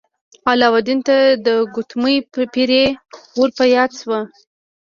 علاوالدین ته د ګوتمۍ پیری ور په یاد شو.